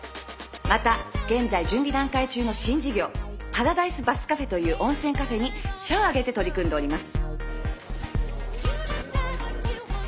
また現在準備段階中の新事業『パラダイスバスカフェ』という温泉カフェに社をあげて取り組んでおります」。